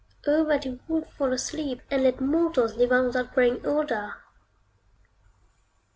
O that he would fall asleep, and let mortals live on without growing older!